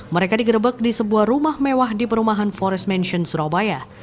mereka digerebek di sebuah rumah mewah di perumahan forest mansion surabaya